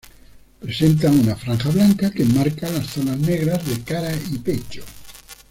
Presentan una franja blanca que enmarca las zonas negras de cara y pecho.